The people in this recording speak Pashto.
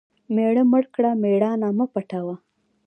مېړه مړ کړه مېړانه مه پوټوه .